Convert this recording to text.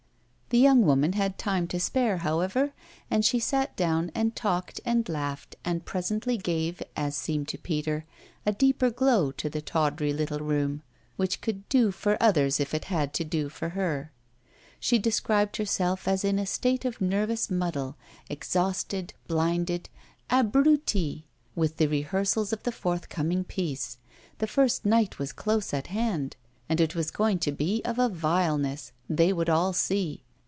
The young woman had time to spare, however, and she sat down and talked and laughed and presently gave, as seemed to Peter, a deeper glow to the tawdry little room, which could do for others if it had to do for her. She described herself as in a state of nervous muddle, exhausted, blinded, abrutie, with the rehearsals of the forthcoming piece the first night was close at hand, and it was going to be of a vileness: they would all see!